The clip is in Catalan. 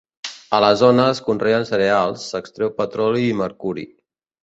A la zona es conreen cereals, s'extreu petroli i mercuri.